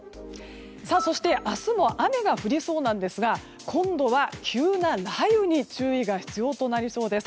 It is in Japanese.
そして明日も雨が降りそうなんですが今度は急な雷雨に注意が必要となりそうです。